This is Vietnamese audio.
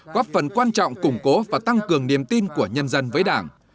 góp phần quan trọng củng cố và tăng cường niềm tin của nhân dân với đảng